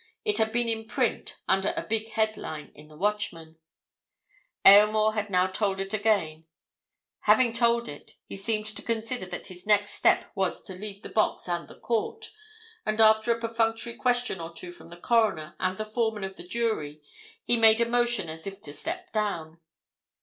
It had been in print, under a big headline, in the Watchman. Aylmore had now told it again; having told it, he seemed to consider that his next step was to leave the box and the court, and after a perfunctory question or two from the Coroner and the foreman of the jury he made a motion as if to step down.